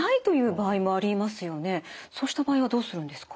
そうした場合はどうするんですか？